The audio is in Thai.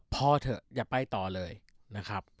พอเถอะอย่าไปต่อเลยนะครับ